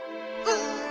うん。